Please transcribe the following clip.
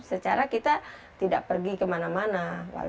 secara kita tidak pergi ke mana mana